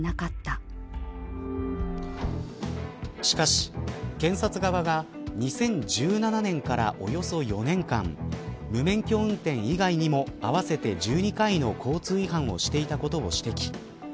しかし、検察側が２０１７年からおよそ４年間無免許運転以外にも合わせて１２回の交通違反をしていたことを指摘。